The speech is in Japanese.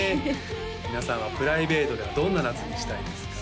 皆さんはプライベートではどんな夏にしたいですか？